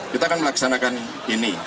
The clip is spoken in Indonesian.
kita akan melaksanakan ini